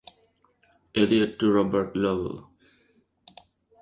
Eliot to Robert Lowell.